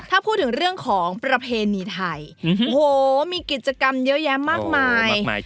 ถ้าพูดถึงเรื่องของประเพณีไทยโอ้โหมีกิจกรรมเยอะแยะมากมาย